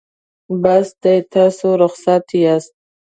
بس دی تاسو رخصت یاست.